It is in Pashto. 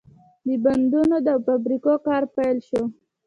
د بندونو او فابریکو کار پیل شو.